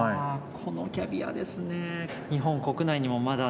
このキャビアですねまだ。